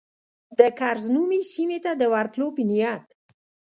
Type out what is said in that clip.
د کرز نومي سیمې ته د ورتلو په نیت.